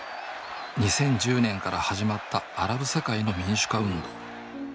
２０１０年から始まったアラブ世界の民主化運動。